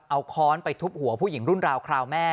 เอาค้อนไปทุบหัวผู้หญิงรุ่นราวคราวแม่